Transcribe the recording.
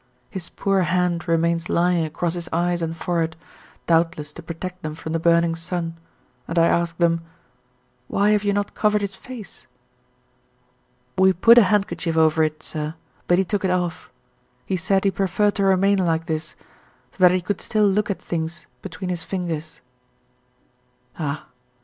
His poor hand remains lying across his eyes and forehead, doubtless to protect them from the burning sun, and I ask them: "Why have you not covered his face?" "We put a handkerchief over it, sir, but he took it off. He said he preferred to remain like this, so that he could still look at things between his fingers." Ah!